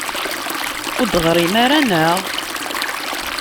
Ur d-teɣrim ara, naɣ?